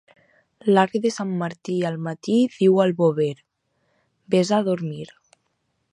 L'arc de sant Martí al matí diu al bover: —Ves a dormir.